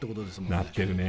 なってるね。